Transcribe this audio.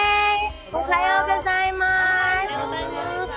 おはようございます。